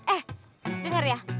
eh denger ya